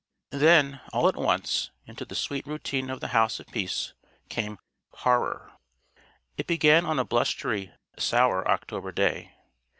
Then, all at once, into the sweet routine of the House of Peace, came Horror. It began on a blustery, sour October day.